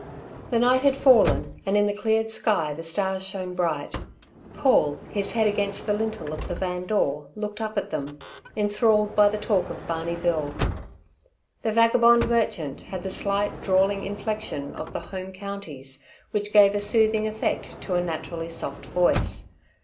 The night had fallen, and in the cleared sky the stars shone bright. Paul, his head against the lintel of the van door, looked up at them, enthralled by the talk of Barney Bill. The vagabond merchant had the slight drawling inflection of the Home Counties, which gave a soothing effect to a naturally soft voice.